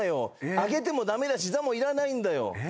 あげても駄目だし「ざ」もいらないんだよ。